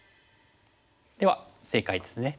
では正解ですね。